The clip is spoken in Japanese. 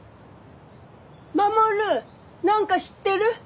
守なんか知ってる？